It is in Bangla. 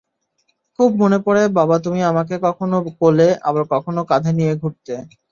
খুব মনে পড়ে বাবা তুমি আমাকে কখনো কোলে, আবার কখনো কাঁধে নিয়ে ঘুরতে।